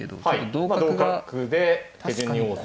同角で手順に王手。